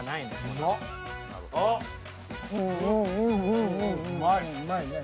うまいね。